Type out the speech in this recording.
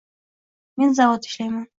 Men zavodda ishlayman.